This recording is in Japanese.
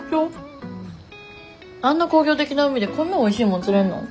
あんな工業的な海でこんなおいしいもん釣れんの？